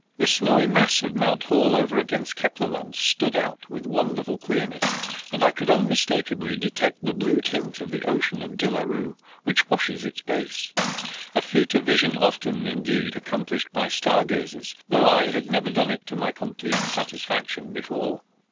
The snowy mass of Mount Hall over against Kepler Land stood out with wonderful clearness, and I could unmistakably detect the blue tint of the ocean of De La Rue, which washes its base, a feat of vision often, indeed, accomplished by star gazers, though I had never done it to my complete satisfaction before.